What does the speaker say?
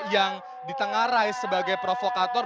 yang ditengah raih sebagai provokator